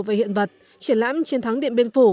và hiện vật triển lãm chiến thắng điện biên phủ